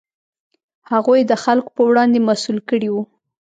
هغوی یې د خلکو په وړاندې مسوول کړي وو.